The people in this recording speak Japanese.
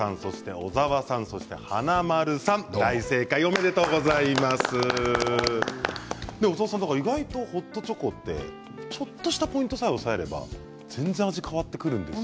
小沢さん、意外とホットチョコってちょっとしたポイントさえ押さえれば全然味が変わってくるんですよ。